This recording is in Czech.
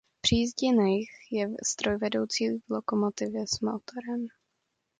Při jízdě na jih je strojvedoucí v lokomotivě s motorem.